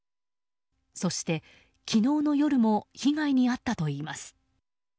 そして、昨日の夜も被害に遭ったといいます。